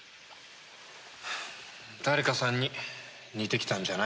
誰かさんに似てきたんじゃないの？